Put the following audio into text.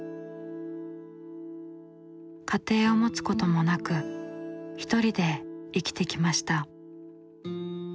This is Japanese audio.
家庭を持つこともなく一人で生きてきました。